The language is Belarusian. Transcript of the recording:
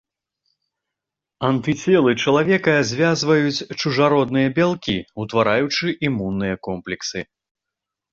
Антыцелы чалавека звязваюць чужародныя бялкі, утвараючы імунныя комплексы.